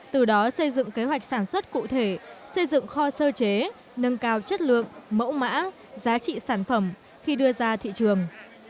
từ đó xây dựng kế hoạch sản xuất cụ thể xây dựng kho sơ chế nâng cao chất lượng mẫu mã giá trị sản phẩm khi đưa ra thị trường